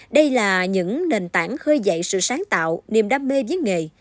đây là những nền tảng khơi dậy sự sáng tạo niềm đam mê với nghề